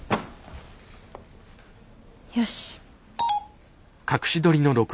よし。